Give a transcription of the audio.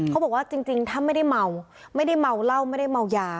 เขาบอกว่าจริงถ้าไม่ได้เมาไม่ได้เมาเหล้าไม่ได้เมายา